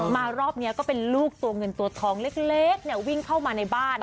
รอบนี้ก็เป็นลูกตัวเงินตัวทองเล็กวิ่งเข้ามาในบ้าน